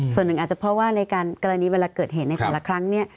ส่วนหนึ่งอาจจะเพราะว่าในกรณีเวลาเกิดเหตุในแต่ละครั้งเนี่ย